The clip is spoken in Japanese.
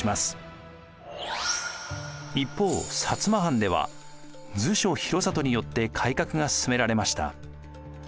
一方薩摩藩では調所広郷によって改革が進められました。